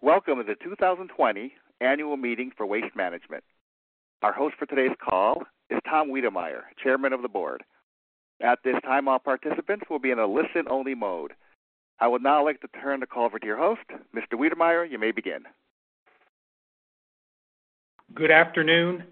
Welcome to the 2020 Annual Meeting for Waste Management. Our host for today's call is Tom Weidemeyer, Chairman of the Board. At this time, all participants will be in a listen-only mode. I would now like to turn the call over to your host. Mr. Weidemeyer, you may begin. Good afternoon,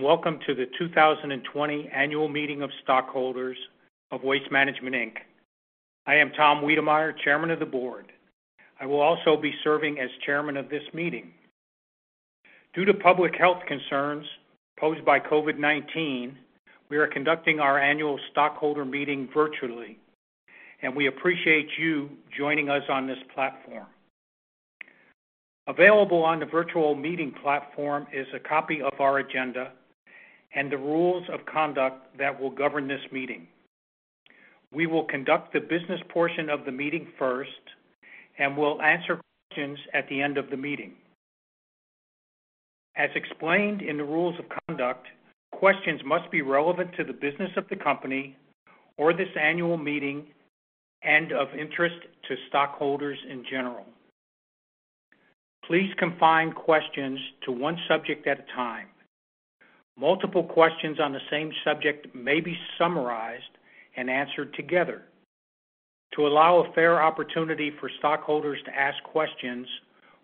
welcome to the 2020 Annual Meeting of Stockholders of Waste Management, Inc. I am Tom Weidemeyer, Chairman of the Board. I will also be serving as chairman of this meeting. Due to public health concerns posed by COVID-19, we are conducting our annual stockholder meeting virtually, and we appreciate you joining us on this platform. Available on the virtual meeting platform is a copy of our agenda and the rules of conduct that will govern this meeting. We will conduct the business portion of the meeting first and will answer questions at the end of the meeting. As explained in the rules of conduct, questions must be relevant to the business of the company or this annual meeting and of interest to stockholders in general. Please confine questions to one subject at a time. Multiple questions on the same subject may be summarized and answered together. To allow a fair opportunity for stockholders to ask questions,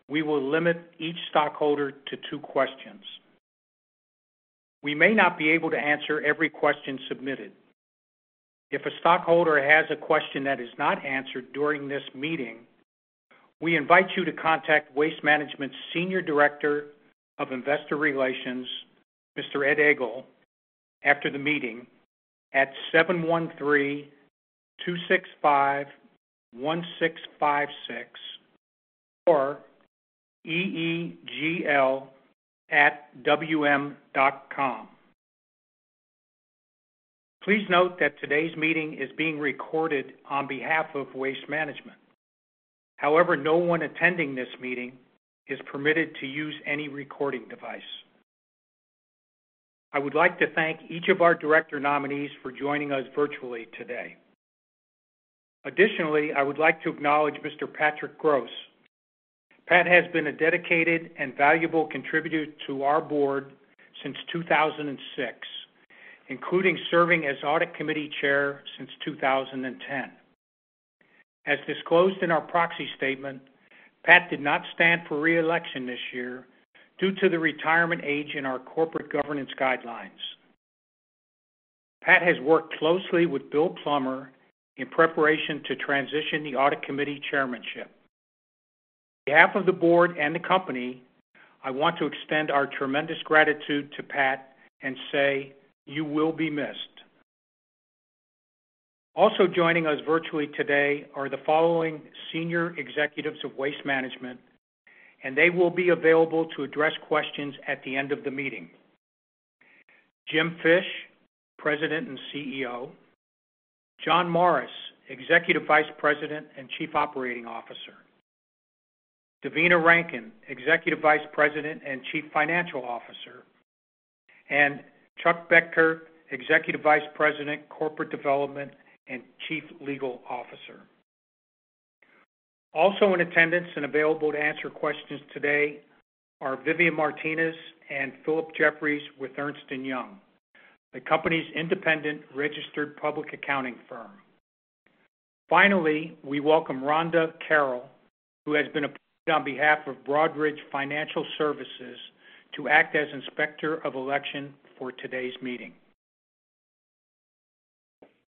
we will limit each stockholder to two questions. We may not be able to answer every question submitted. If a stockholder has a question that is not answered during this meeting, we invite you to contact Waste Management's Senior Director of Investor Relations, Mr. Ed Egl, after the meeting at 713-265-1656 or eegl@wm.com. Please note that today's meeting is being recorded on behalf of Waste Management. However, no one attending this meeting is permitted to use any recording device. I would like to thank each of our director nominees for joining us virtually today. Additionally, I would like to acknowledge Mr. Patrick Gross. Pat has been a dedicated and valuable contributor to our board since 2006, including serving as Audit Committee Chair since 2010. As disclosed in our proxy statement, Pat did not stand for re-election this year due to the retirement age in our corporate governance guidelines. Pat has worked closely with Bill Plummer in preparation to transition the Audit Committee Chairmanship. On behalf of the board and the company, I want to extend our tremendous gratitude to Pat and say, you will be missed. Also joining us virtually today are the following senior executives of Waste Management, and they will be available to address questions at the end of the meeting: Jim Fish, President and CEO; John Morris, Executive Vice President and Chief Operating Officer; Devina Rankin, Executive Vice President and Chief Financial Officer; and Chuck Boettcher, Executive Vice President, Corporate Development, and Chief Legal Officer. Also in attendance and available to answer questions today are Vivian Martinez and Philip Jeffries with Ernst & Young, the company's independent registered public accounting firm. Finally, we welcome Rhonda Carroll, who has been appointed on behalf of Broadridge Financial Services to act as Inspector of Election for today's meeting.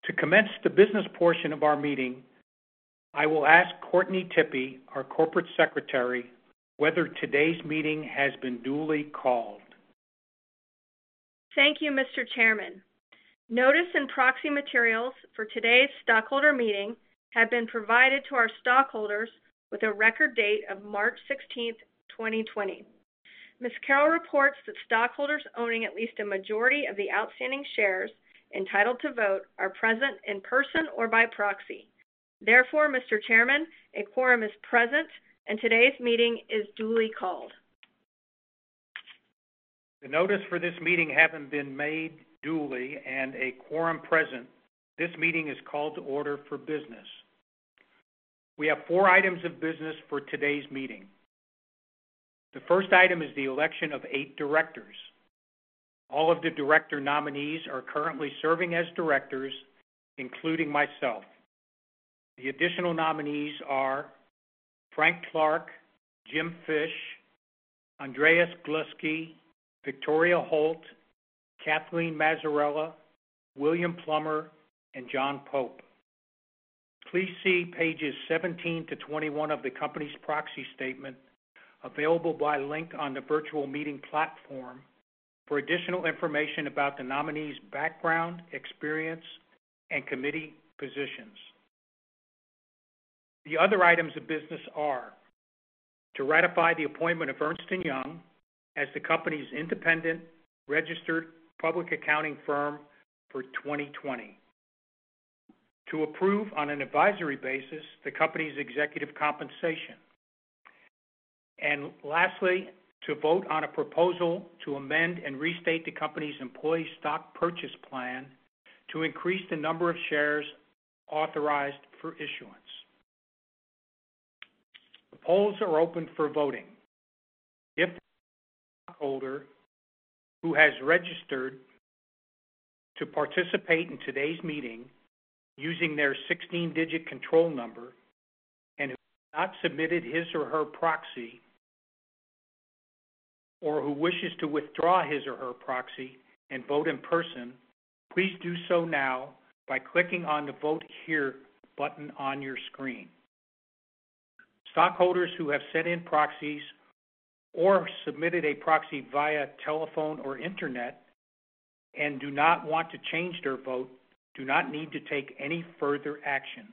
To commence the business portion of our meeting, I will ask Courtney Tippy, our Corporate Secretary, whether today's meeting has been duly called. Thank you, Mr. Chairman. Notice and proxy materials for today's stockholder meeting have been provided to our stockholders with a record date of March 16th, 2020. Ms. Carroll reports that stockholders owning at least a majority of the outstanding shares entitled to vote are present in person or by proxy. Therefore, Mr. Chairman, a quorum is present, and today's meeting is duly called. The notice for this meeting having been made duly and a quorum present, this meeting is called to order for business. We have four items of business for today's meeting. The first item is the election of eight directors. All of the director nominees are currently serving as directors, including myself. The additional nominees are Frank Clark, Jim Fish, Andrés Gluski, Victoria Holt, Kathleen Mazzarella, William Plummer, and John Pope. Please see pages 17-21 of the company's proxy statement, available by link on the virtual meeting platform, for additional information about the nominees' background, experience, and committee positions. The other items of business are to ratify the appointment of Ernst & Young as the company's independent registered public accounting firm for 2020. To approve on an advisory basis the company's executive compensation. Lastly, to vote on a proposal to amend and restate the company's employee stock purchase plan to increase the number of shares authorized for issuance. The polls are open for voting. If a stockholder who has registered to participate in today's meeting using their 16-digit control number, and who has not submitted his or her proxy, or who wishes to withdraw his or her proxy and vote in person, please do so now by clicking on the Vote Here button on your screen. Stockholders who have sent in proxies or submitted a proxy via telephone or internet and do not want to change their vote, do not need to take any further action.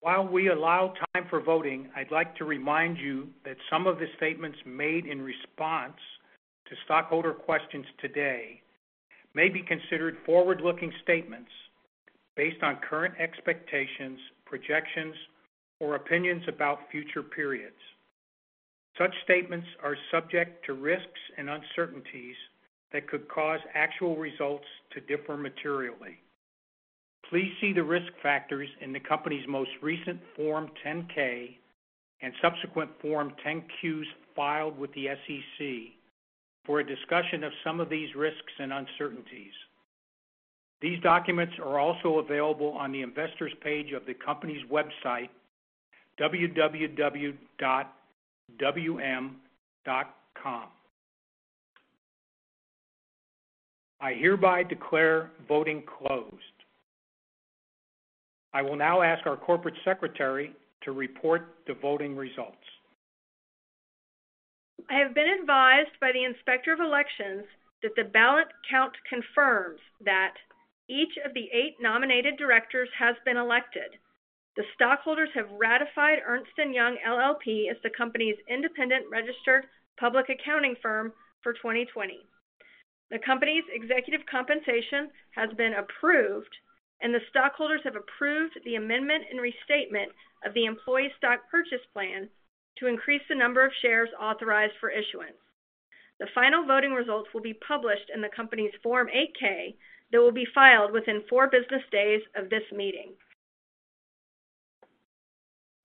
While we allow time for voting, I'd like to remind you that some of the statements made in response to stockholder questions today may be considered forward-looking statements based on current expectations, projections, or opinions about future periods. Such statements are subject to risks and uncertainties that could cause actual results to differ materially. Please see the risk factors in the company's most recent Form 10-K and subsequent Form 10-Qs filed with the SEC for a discussion of some of these risks and uncertainties. These documents are also available on the Investors page of the company's website, www.wm.com. I hereby declare voting closed. I will now ask our corporate secretary to report the voting results. I have been advised by the Inspector of Elections that the ballot count confirms that each of the eight nominated directors has been elected. The stockholders have ratified Ernst & Young LLP as the company's independent registered public accounting firm for 2020. The company's executive compensation has been approved, and the stockholders have approved the amendment and restatement of the employee stock purchase plan to increase the number of shares authorized for issuance. The final voting results will be published in the company's Form 8-K that will be filed within four business days of this meeting.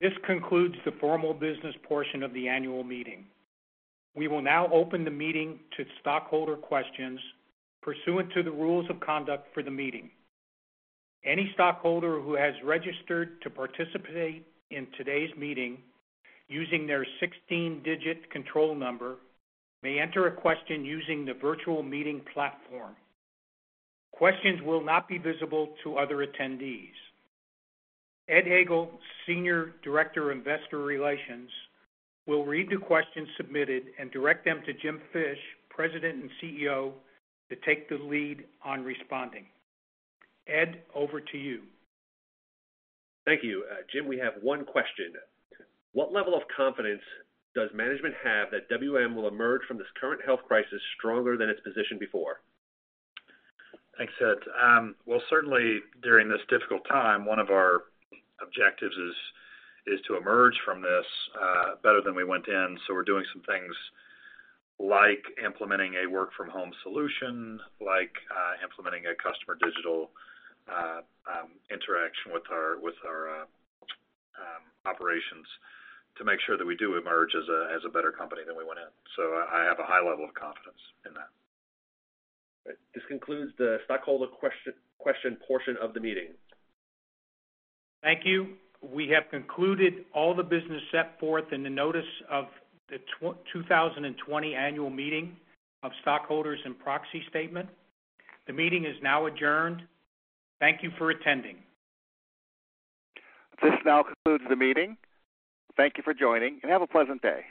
This concludes the formal business portion of the annual meeting. We will now open the meeting to stockholder questions pursuant to the rules of conduct for the meeting. Any stockholder who has registered to participate in today's meeting using their 16-digit control number may enter a question using the virtual meeting platform. Questions will not be visible to other attendees. Ed Egl, Senior Director of Investor Relations, will read the questions submitted and direct them to Jim Fish, President and CEO, to take the lead on responding. Ed, over to you. Thank you. Jim, we have one question. What level of confidence does management have that WM will emerge from this current health crisis stronger than its position before? Thanks, Ed. Well, certainly during this difficult time, one of our objectives is to emerge from this better than we went in. We're doing some things like implementing a work from home solution, like implementing a customer digital interaction with our operations to make sure that we do emerge as a better company than we went in. I have a high level of confidence in that. This concludes the stockholder question portion of the meeting. Thank you. We have concluded all the business set forth in the notice of the 2020 Annual Meeting of Stockholders and Proxy Statement. The meeting is now adjourned. Thank you for attending. This now concludes the meeting. Thank you for joining, and have a pleasant day.